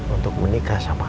untuk menikah sama al